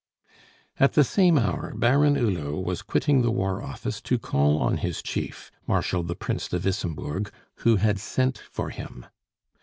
At the same hour Baron Hulot was quitting the War Office to call on his chief, Marshal the Prince de Wissembourg, who had sent for him.